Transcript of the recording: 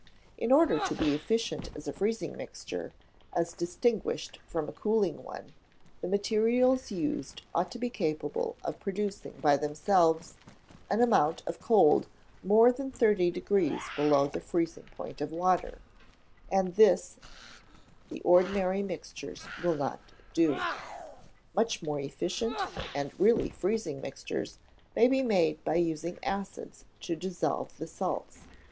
In order to be efficient as a freezing mixture, as distinguished from a cooling one, the materials used ought to be capable of producing by themselves an amount of cold more than thirty degrees below the freezing point of water, and this the ordinary mixtures will not do. Much more efficient and really freezing mixtures may be made by using acids to dissolve the salts.